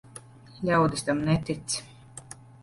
Ļaudis tam netic.